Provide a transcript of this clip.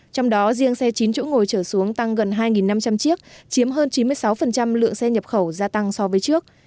trong đó riêng xe chín chỗ ngồi trở xuống tăng gần hai năm trăm linh chiếc chiếm hơn chín mươi sáu lượng xe nhập khẩu gia tăng so với trước